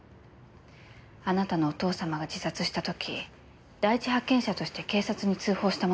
あなたのお父様が自殺した時第一発見者として警察に通報した者がいます。